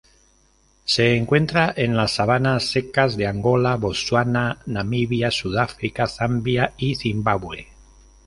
Se encuentra en las sabanas secas de Angola, Botsuana, Namibia, Sudáfrica, Zambia y Zimbabue.